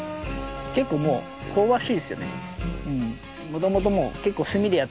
結構もう香ばしいですよね。